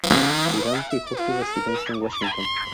Hiram fijó su residencia en Washington.